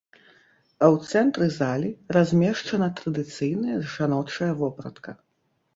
А ў цэнтры залі размешчана традыцыйная жаночая вопратка.